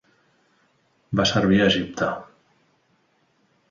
Va servir a Egipte.